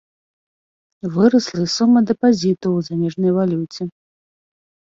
Вырасла і сума дэпазітаў у замежнай валюце.